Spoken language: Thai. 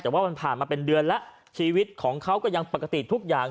แต่ว่ามันผ่านมาเป็นเดือนแล้วชีวิตของเขาก็ยังปกติทุกอย่าง